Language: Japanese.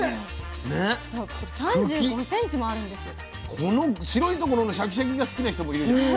この白いところのシャキシャキが好きな人もいるよね。